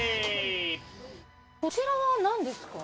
こちらはなんですか？